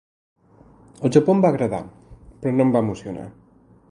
El Japó em va agradar, però no em va emocionar.